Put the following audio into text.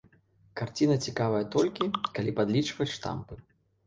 Карціна цікавая толькі, калі падлічваць штампы.